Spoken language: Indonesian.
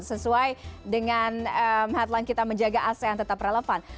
sesuai dengan headline kita menjaga asean tetap relevan